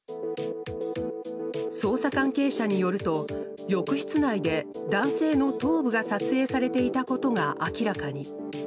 捜査関係者によると、浴室内で男性の頭部が撮影されていたことが明らかに。